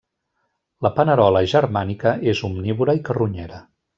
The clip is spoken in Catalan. La panerola germànica és omnívora i carronyera.